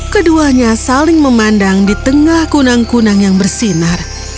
keduanya saling memandang di tengah kunang kunang yang bersinar